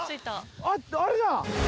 あっあれだ。